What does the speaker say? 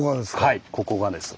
はいここがです。